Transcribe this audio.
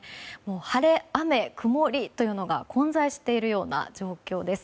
晴れ、雨、曇りというのが混在しているような状況です。